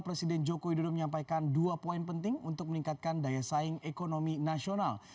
presiden joko widodo menyampaikan dua poin penting untuk meningkatkan daya saing ekonomi nasional